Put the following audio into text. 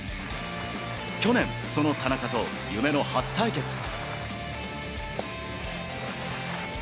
去年、その田中と夢の初対決。